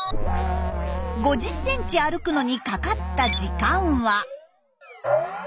５０ｃｍ歩くのにかかった時間は。